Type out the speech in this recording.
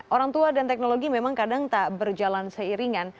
orang tua dan teknologi memang kadang tak berjalan seiringan